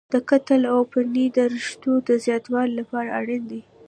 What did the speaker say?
د کتان او پنبې د رشتو د زیاتوالي لپاره اړین دي.